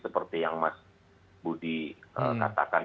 seperti yang mas budi katakan